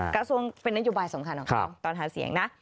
กระทรวงเป็นนัยยุบายสำคัญตอนหาเสียงนะ